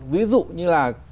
ví dụ như là